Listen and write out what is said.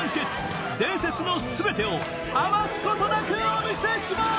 伝説の全てを余すことなくお見せします